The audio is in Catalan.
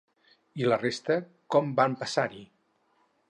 I la resta com van passar-hi?